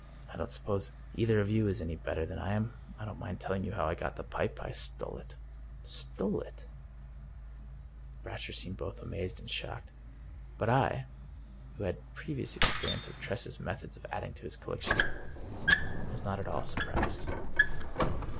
I don't suppose either of you is any better than I am. I don't mind telling you how I got the pipe. I stole it." "Stole it!" 232 The Pipe Brasher seemed both amazed and shocked. But I, who had previous experience of Tress's methods of adding to his collection, was not at all surprised.